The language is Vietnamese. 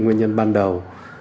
nguyên nhân ban đầu